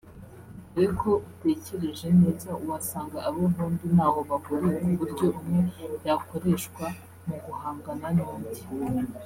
dore ko utekereje neza wasanga abo bombi ntaho bahuriye ku buryo umwe yakoreshwa mu guhangana n’undi